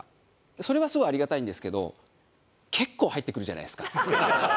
それはすごいありがたいんですけど結構入ってくるじゃないですか。